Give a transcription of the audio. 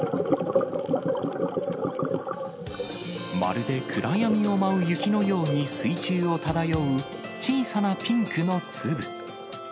まるで暗闇を舞う雪のように水中を漂う小さなピンクの粒。